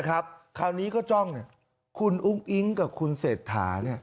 คราวนี้ก็จ้องคุณอุ้งอิ๊งกับคุณเศรษฐา